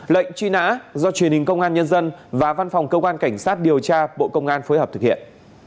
lệnh truy nã do truyền hình công an nhân dân và văn phòng cơ quan cảnh sát điều tra bộ công an phối hợp thực hiện